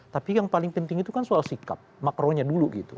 tapi yang paling penting itu kan soal sikap makronya dulu gitu